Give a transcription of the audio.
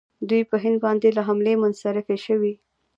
دوی په هند باندې له حملې منصرفې شوې.